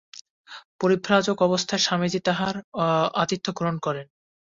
পরিব্রাজক অবস্থায় স্বামীজী তাঁহার আতিথ্য গ্রহণ করেন।